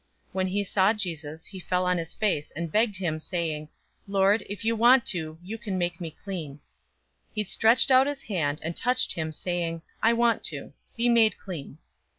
When he saw Jesus, he fell on his face, and begged him, saying, "Lord, if you want to, you can make me clean." 005:013 He stretched out his hand, and touched him, saying, "I want to. Be made clean."